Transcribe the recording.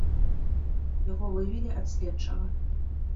Яго вывелі ад следчага.